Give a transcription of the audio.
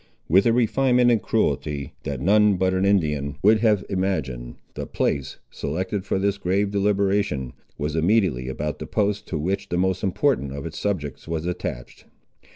With a refinement in cruelty, that none but an Indian would have imagined, the place, selected for this grave deliberation, was immediately about the post to which the most important of its subjects was attached.